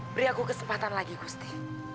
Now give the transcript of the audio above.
beri aku kesempatan lagi gusti